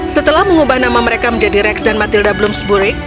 setelah mengubah nama mereka menjadi rex dan matilda bloomsburg